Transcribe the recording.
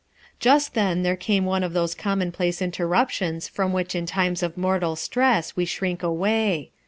' Just then there came one of those common place interruptions from which in times of mortal stress we shrink away.